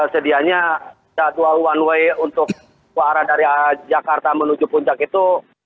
sedianya jadwal one way untuk ke arah dari jakarta menuju puncak itu